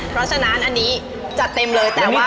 เพราะฉะนั้นอันนี้จัดเต็มเลยแต่ว่า